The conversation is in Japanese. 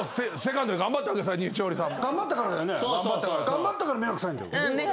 頑張ったから目が臭いんだよ。